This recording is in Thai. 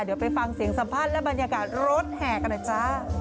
เดี๋ยวไปฟังเสียงสัมพันธ์และบรรยากาศรถแห่กันนะจ๊ะ